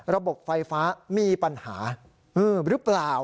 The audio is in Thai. ระบบไฟฟ้ามีปัญหาหรือเปล่า